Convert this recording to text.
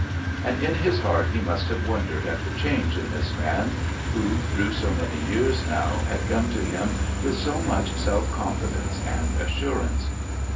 And in his heart he must have wondered at the change in this man who, through so many years now, had come to him with so much self confidence and assurance.